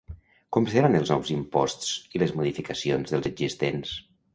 Com seran els nous imposts i les modificacions dels existents?